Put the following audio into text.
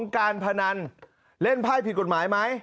การพนันเล่นไพ่ผิดกฎหมายไหม